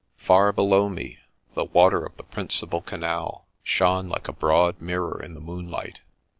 Far below me, the waters of the principal canal shone like a broad mirror in the moonlight.